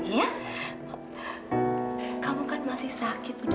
evita kok tangannya jadi kaku